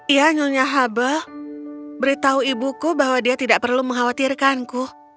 iya nyonya hubble beritahu ibuku bahwa dia tidak perlu mengkhawatirkanku